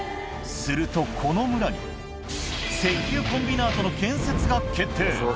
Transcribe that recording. すると、この村に石油コンビナートの建設が決定。